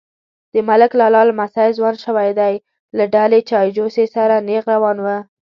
_د ملک لالا لمسی ځوان شوی دی، له ډکې چايجوشې سره نيغ روان و.